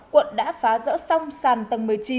quận đã phá rỡ xong sàn tầng một mươi chín